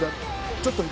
ちょっと左。